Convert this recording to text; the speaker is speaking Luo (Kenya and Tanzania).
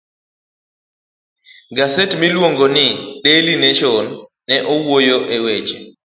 Gaset miluongo ni "Daily Nation" ne onwoyo weche